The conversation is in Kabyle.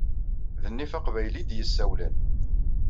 D nnif aqbayli i d-yessawlen!